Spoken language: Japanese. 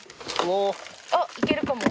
あっいけるかも。